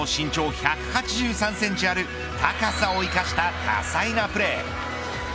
１８３センチある高さを生かした多彩なプレー。